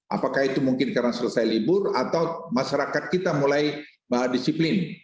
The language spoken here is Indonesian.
apakah itu mungkin karena selesai libur atau masyarakat kita mulai disiplin